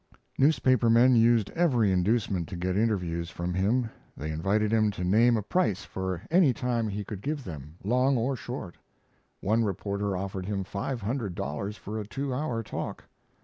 Newspaper men used every inducement to get interviews from him. They invited him to name a price for any time he could give them, long or short. One reporter offered him five hundred dollars for a two hour talk.